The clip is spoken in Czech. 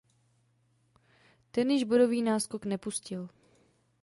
Ten již bodový náskok nepustil.